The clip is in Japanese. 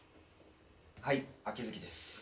はい秋月です。